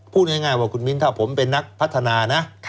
พูดง่ายว่าคุณมิ้นถ้าผมเป็นนักพัฒนานะ